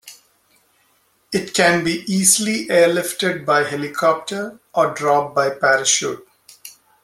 It can be easily airlifted by helicopter, or dropped by parachute.